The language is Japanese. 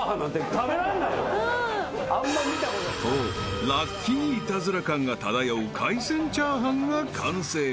［とラッキーイタズラ感が漂う海鮮チャーハンが完成］